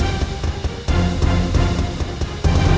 saya mau ke rumah